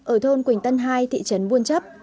ở thôn quỳnh tân hai thị trấn buôn chấp